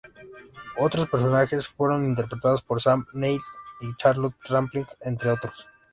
Otros personajes fueron interpretados por Sam Neill y Charlotte Rampling, entre otros.